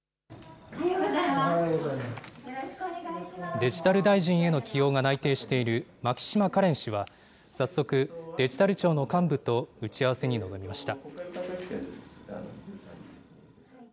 デジタル大臣への起用が内定している牧島かれん氏は、早速、デジタル庁の幹部と打ち合わせに臨みました。